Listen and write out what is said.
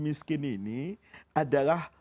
miskin ini adalah